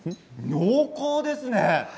濃厚ですね。